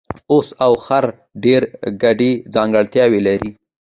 اس او خر ډېرې ګډې ځانګړتیاوې لري.